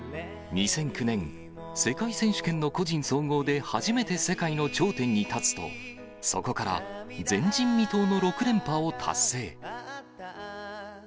２００９年、世界選手権の個人総合で初めて世界の頂点に立つと、そこから前人未到の６連覇を達成。